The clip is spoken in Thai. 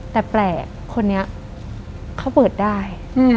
แต่แปลกคนนี้เขาเปิดได้